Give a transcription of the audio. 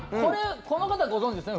この方はご存知ですね？